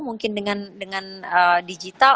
mungkin dengan digital